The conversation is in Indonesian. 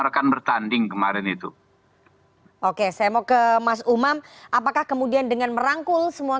rekan bertanding kemarin itu oke saya mau ke mas umam apakah kemudian dengan merangkul semua